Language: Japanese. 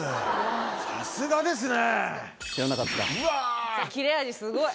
さすがですね！